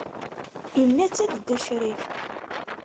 Yenna-tt-id dda Ccrif.